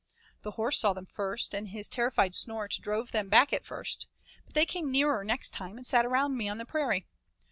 The horse saw them first, and his terrified snort drove them back at first, but they came nearer next time and sat around me on the prairie.